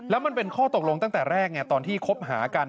แล้วมันเป็นข้อตกลงตั้งแต่แรกไงตอนที่คบหากัน